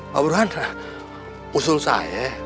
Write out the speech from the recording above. pak buruhan usul saya